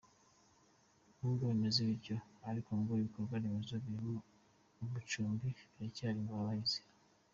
N’ubwo bimeze bityo ariko ngo ibikorwa remezo birimo amacumbi biracyari ingorabahizi.